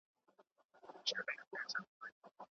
د ځینو شاعرانو د زېږدو په نېټه کې شک کیږي.